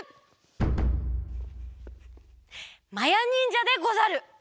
まやにんじゃでござる！